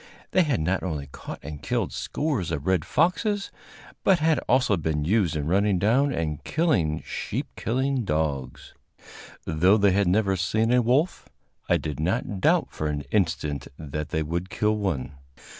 They had not only caught and killed scores of red foxes, but had also been used in running down and killing sheep killing dogs. Though they had never seen a wolf, I did not doubt for an instant that they would kill one.